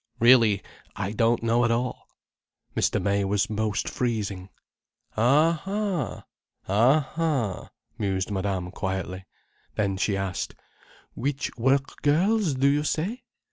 Really, I don't know at all—" Mr. May was most freezing. "Ha—ha! Ha—ha!" mused Madame quietly. Then she asked: "Which work girls do you say?"